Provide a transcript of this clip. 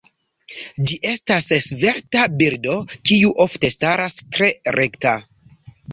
Ĝi estas svelta birdo kiu ofte staras tre rekta.